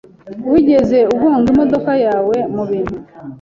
Wigeze ugonga imodoka yawe mubintu?